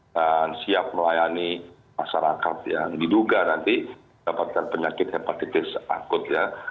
dan siap melayani masyarakat yang diduga nanti dapatkan penyakit hepatitis akut ya